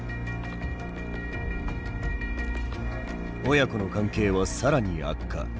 親子の関係は更に悪化。